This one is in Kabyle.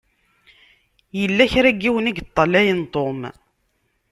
Yella kra n yiwen i yeṭṭalayen Tom.